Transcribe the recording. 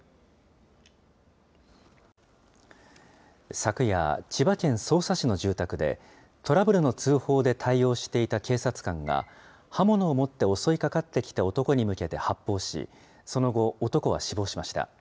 昨夜、千葉県匝瑳市の住宅で、トラブルの通報で対応していた警察官が、刃物を持って襲いかかってきた男に向けて発砲し、その後、男は死亡しました。